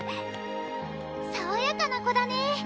さわやかな子だね